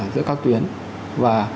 giữa các tuyến và